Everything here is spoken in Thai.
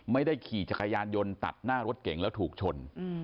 ไม่ได้ขี่จักรยานยนต์ตัดหน้ารถเก่งแล้วถูกชน